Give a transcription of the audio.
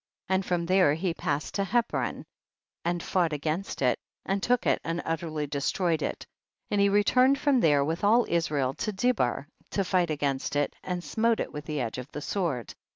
35. And from there he passed to Hebron and fought against it and took it and utterly destroyed it, and he returned from there with all Israel to Debir and fought against it and smote it with the edge of the sword.